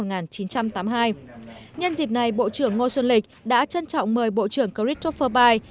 nhân dịp này bộ trưởng ngô xuân lịch đã trân trọng mời bộ trưởng christopher bay